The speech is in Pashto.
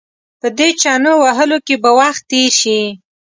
په دې چنو وهلو کې به وخت تېر شي.